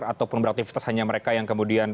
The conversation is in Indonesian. ataupun beraktivitas hanya mereka yang kemudian